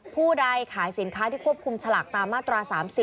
ผู้ใดขายสินค้าที่ควบคุมฉลากตามมาตรา๓๐